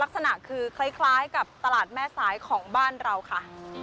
ลักษณะคือคล้ายกับตลาดแม่สายของบ้านเราค่ะ